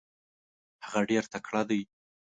هغه ډیر تکړه دی.